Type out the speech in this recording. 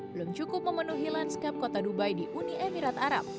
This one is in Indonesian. belum cukup memenuhi landscape kota dubai di uni emirat arab